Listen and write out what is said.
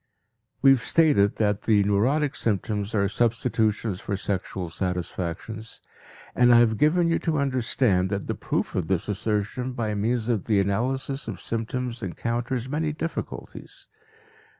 We have stated that the neurotic symptoms are substitutions for sexual satisfactions, and I have given you to understand that the proof of this assertion by means of the analysis of symptoms encounters many difficulties.